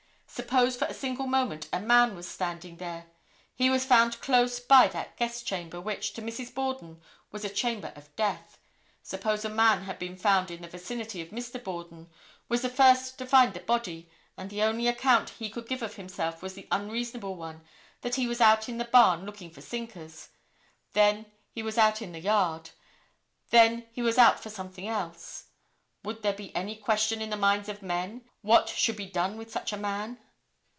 Suppose for a single moment a man was standing there. He was found close by that guest chamber which, to Mrs. Borden, was a chamber of death. Suppose a man had been found in the vicinity of Mr. Borden; was the first to find the body, and the only account he could give of himself was the unreasonable one that he was out in the barn looking for sinkers; then he was out in the yard; then he was out for something else; would there be any question in the minds of men what should be done with such a man?"